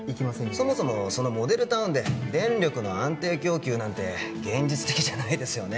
そもそもそのモデルタウンで電力の安定供給なんて現実的じゃないですよね